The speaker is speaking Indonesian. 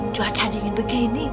cuaca dingin begini